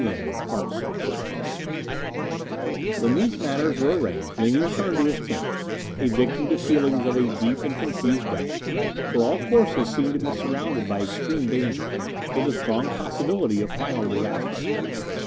CHAPTER VI When these matters were arranged, Ling returned to his tent, a victim to feelings of a deep and confused doubt, for all courses seemed to be surrounded by extreme danger, with the strong possibility of final disaster.